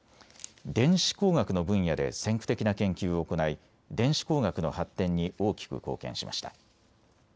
電子工学の分野で先駆的な研究を行い電子工学の発展に大きく貢献しました。